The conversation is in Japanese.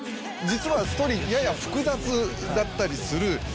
実はストーリーやや複雑だったりする。